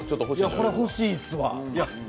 これ欲しいっすわ。